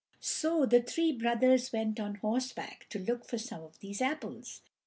So the three brothers went on horseback to look for some of these apples.